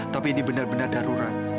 tapi ini benar benar darurat